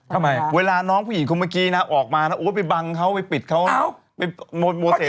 ตอนนั้นขายเมียเขาเหรอ